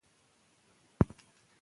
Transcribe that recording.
د ساه اخیستلو تمرین هم ګټور دی.